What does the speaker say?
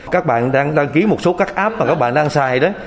các bạn đang đăng ký một số các app mà các bạn đang xài đó